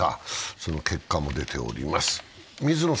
その結果も出ております。